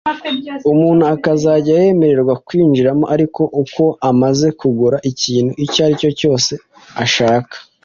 umuntu akazajya yemererwa kwinjiramo ari uko amaze kugura ikintu icyo aricyo cyose ashaka